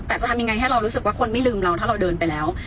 แต่จะทำยังไงให้เรารู้สึกว่าคนไม่ลืมเราถ้าเราเดินไปแล้ว